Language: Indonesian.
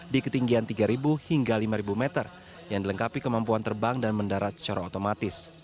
di ketinggian tiga hingga lima meter yang dilengkapi kemampuan terbang dan mendarat secara otomatis